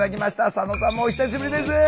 佐野さんもお久しぶりです。